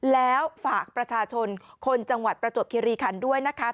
แล้วฝากประชาชนคนจังหวัดประจวบคิริคันด้วยนะคะ